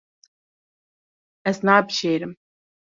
Ez nabijêrim.